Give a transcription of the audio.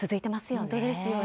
本当ですよね。